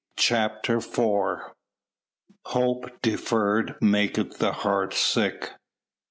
CHAPTER IV "Hope deferred maketh the heart sick."